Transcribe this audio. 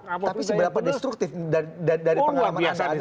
tapi seberapa destruktif dari pengalaman anda